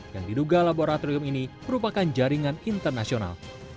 yang diduga laboratorium ini merupakan jaringan internasional